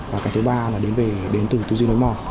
và cái thứ ba là đến từ tư duy nối mò